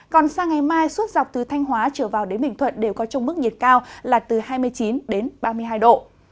còn sang ngày mai suốt dọc từ thanh hóa trở vào đến bình thuận đều có trong mức nhiệt cao là từ hai mươi chín đến ba mươi hai độ